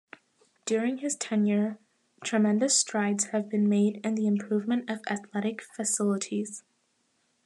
During his tenure tremendous strides have been made in the improvement of athletic facilities.